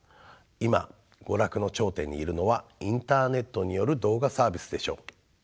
今娯楽の頂点にいるのはインターネットによる動画サービスでしょう。